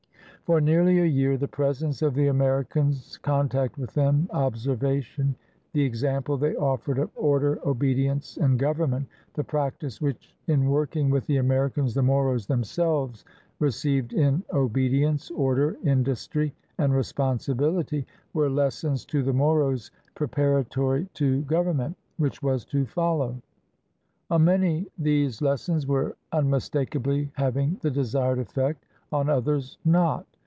For nearly a year the presence of the Americans, con tact with them, observation, the example they offered of order, obedience, and government, the practice which in working with the Americans the Moros themselves received in obedience, order, industry, and responsibil ity, were lessons to the Moros preparatory to govern ment, which was to follow. On many these lessons were unmistakably having the desired effect; on others, not.